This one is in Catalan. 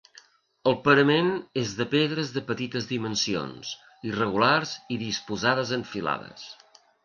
El parament és de pedres de petites dimensions, irregulars i disposades en filades.